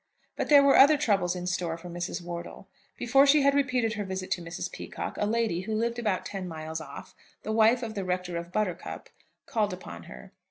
But there were other troubles in store for Mrs. Wortle. Before she had repeated her visit to Mrs. Peacocke, a lady, who lived about ten miles off, the wife of the Rector of Buttercup, called upon her.